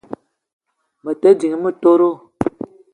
Me te ding motoro